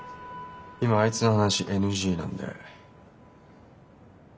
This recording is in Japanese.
今あいつの話ＮＧなんで。